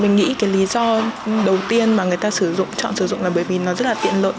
mình nghĩ cái lý do đầu tiên mà người ta sử dụng chọn sử dụng là bởi vì nó rất là tiện lợi